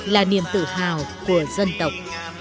là niềm tự hào của dân tộc